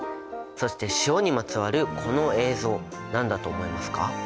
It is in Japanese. そして塩にまつわるこの映像何だと思いますか？